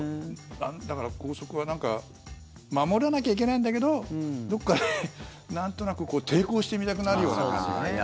だから校則は守らなきゃいけないんだけどどっかでなんとなく抵抗してみたくなるような感じがね。